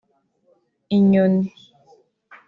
inyoni